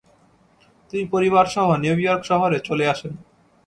তিনি পরিবারসহ New York শহরে চলে আসেন।